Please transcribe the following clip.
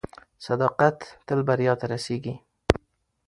صداقت تل بریا ته رسیږي.